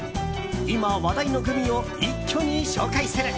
今、話題のグミを一挙に紹介する。